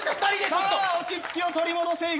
さあ落ち着きを取り戻せイガラシ。